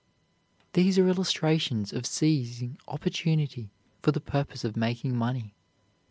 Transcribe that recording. These are illustrations of seizing opportunity for the purpose of making money.